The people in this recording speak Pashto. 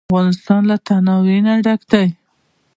افغانستان له تنوع ډک دی.